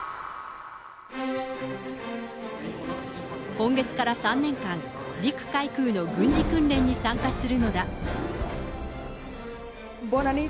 今月から３年間、陸海空の軍事訓練に参加するのだ。